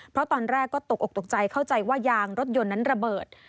เพราะตอนแรกก็ตกออกตกใจเข้าใจว่ายางรถยนต์นั้นระเบิด